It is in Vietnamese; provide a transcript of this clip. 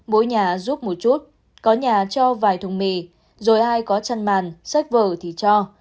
mỗi nhà giúp một chút có nhà cho vài thùng mì rồi ai có chăn màn sách vở thì cho